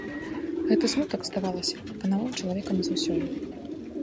Гэты смутак, здавалася, апанаваў чалавека назаўсёды.